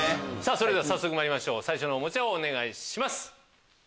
それでは早速まいりましょう最初のおもちゃお願いします。